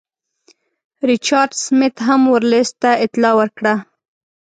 ریچارډ سمیت هم ورلسټ ته اطلاع ورکړه.